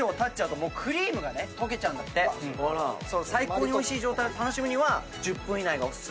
最高においしい状態を楽しむには１０分以内がお薦め。